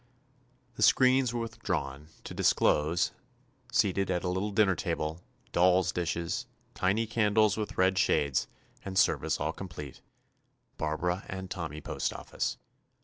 The screens were with drawn, to disclose, seated at a little dinner table, — doll's dishes, tiny can dles with red shades, and service all complete, — Barbara and Tommy Postoffice.